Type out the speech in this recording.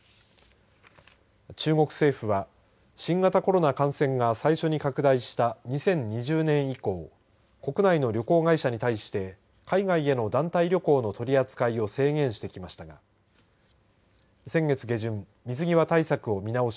中国政府は新型コロナ感染が最初に拡大した２０２０年以降国内の旅行会社に対して海外への団体旅行の取り扱いを制限してきましたが先月下旬、水際対策を見直し